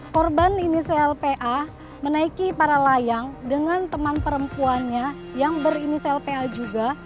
korban ini clpa menaiki para layang dengan teman perempuannya yang berini clpa juga